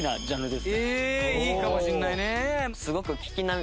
いいかもしれないね。